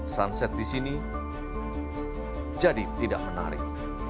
sunset di sini jadi tidak menarik